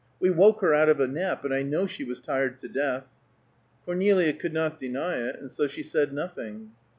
We woke her out of a nap, and I know she was tired to death." Cornelia could not deny it, and so she said nothing.